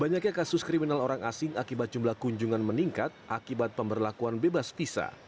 banyaknya kasus kriminal orang asing akibat jumlah kunjungan meningkat akibat pemberlakuan bebas visa